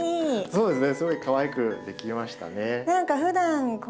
そうですね。